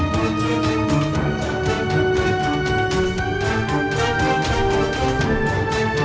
แล้วมันจะโรยบ่อยอะมันก็เป็นเลือด